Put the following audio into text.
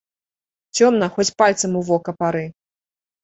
Цёмна, хоць пальцам у вока пары.